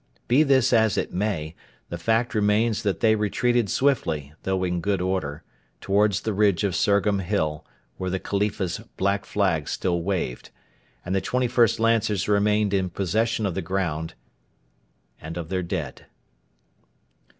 Be this as it may, the fact remains that they retreated swiftly, though in good order, towards the ridge of Surgham Hill, where the Khalifa's Black Flag still waved, and the 21st Lancers remained in possession of the ground and of their dead.